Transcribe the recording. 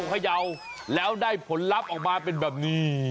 เขย่าแล้วได้ผลลัพธ์ออกมาเป็นแบบนี้